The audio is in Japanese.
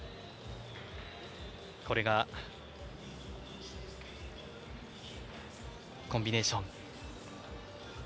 これがコンビネーション。